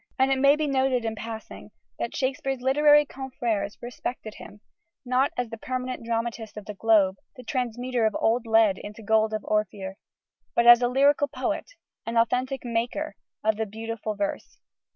And it may be noted in passing, that Shakespeare's literary confrères respected him, not as the permanent dramatist of the Globe, the transmuter of old lead into gold of Ophir but as a lyrical poet, an authentic "maker" of beautiful verse.